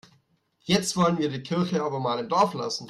Jetzt wollen wir die Kirche aber mal im Dorf lassen.